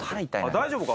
大丈夫か？